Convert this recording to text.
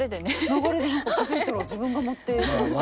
流れで何か気付いたら自分が持っていきましたね。